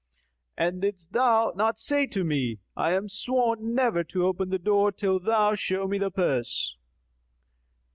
And didst thou not say to me, I am sworn never to open the door till thou show me the purse?"